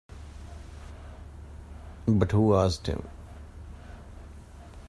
But who asked him?